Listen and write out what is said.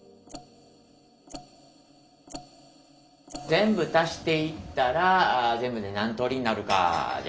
全部足していったら全部で何通りになるかじゃあ森澤。